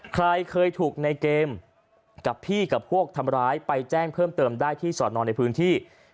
ใครเคยถูกในเกมกับพี่กับพวกทำร้ายไปแจ้งเพิ่มเติมได้ที่สอนอนในพื้นที่